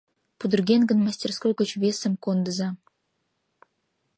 Пудырген гын, мастерской гыч весым кондыза!